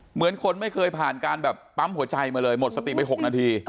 เหมือนคนไม่เคยผ่านการแบบปั๊มหัวใจมาเลยหมดสติไป๖นาที